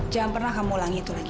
jangan pernah kamu ulangi itu lagi